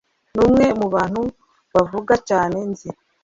numwe mubantu bavuga cyane nzi.